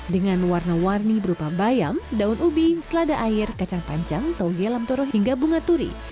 dengan warna warni berupa bayam daun ubi selada air kacang panjang toge lamtoro hingga bunga turi